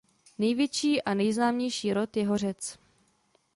Největší a nejznámější rod je hořec.